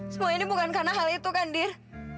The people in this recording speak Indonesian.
semua ini bukan karena hal itu kan dir